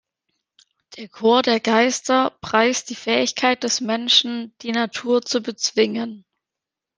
Der Chor der Geister preist die Fähigkeit des Menschen, die Natur zu bezwingen.